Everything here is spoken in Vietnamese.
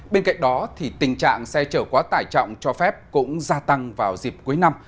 bên cạnh đó tình trạng xe chở quá tải trọng cho phép cũng gia tăng vào dịp cuối năm